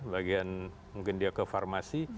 bagian mungkin dia ke farmasi